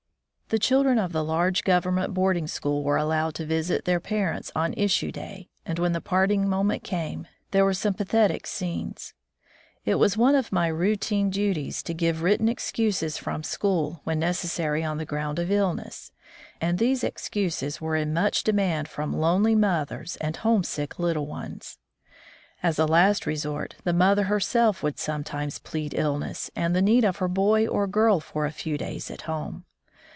The children of the large Government boarding school were allowed to visit their parents on issue day, and when the parting moment came, there were some pathetic scenes. It was one of my routine duties 81 From the Deep Woods to Civilization to give written excuses from school when necessary on the ground of ilhiess, and these excuses were in much demand from lonely mothers and homesick little ones. As a last resort, the mother herself would some times plead illness and the need of her boy or girl for a few days at home.